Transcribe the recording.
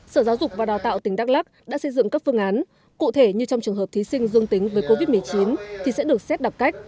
sở giáo dục và đào tạo tỉnh đắk lắc đã xây dựng các phương án cụ thể như trong trường hợp thí sinh dương tính với covid một mươi chín thì sẽ được xét đạp cách